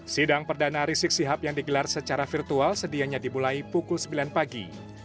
sidang perdana rizik sihab yang digelar secara virtual sedianya dimulai pukul sembilan pagi